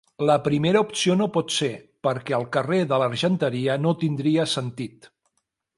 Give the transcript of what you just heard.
La primera opció no pot ser, perquè el carrer de l'Argenteria no tindria sentit.